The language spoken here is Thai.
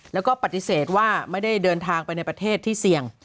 แล้วก็ปฏิเสธว่าไม่ได้เดินทางไปในประเทศที่เสี่ยง